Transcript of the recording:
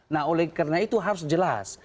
nah oleh karena itu harus jelas